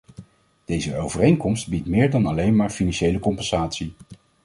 Deze overeenkomst biedt meer dan alleen maar financiële compensatie.